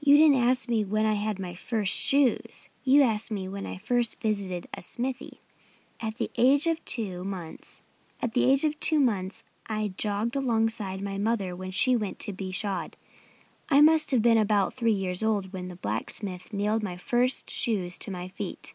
"You didn't ask me when I had my first shoes. You asked me when I first visited a smithy. At the age of two months I jogged alongside my mother when she went to be shod. I must have been about three years old when the blacksmith nailed my first shoes to my feet."